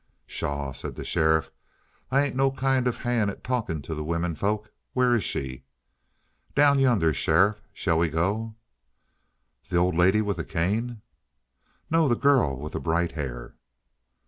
"Pshaw," said the sheriff. "I ain't no kind of a hand at talking to the womenfolk. Where is she?" "Down yonder, sheriff. Shall we go?" "The old lady with the cane?" "No, the girl with the bright hair."